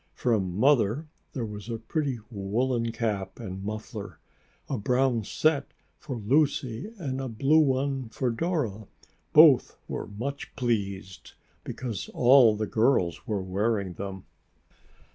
From Mother there was a pretty woolen cap and muffler, a brown set for Lucy and a blue one for Dora. Both were much pleased, because all the girls were wearing them.